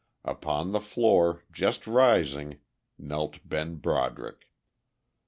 Upon the floor, just rising, knelt Ben Broderick.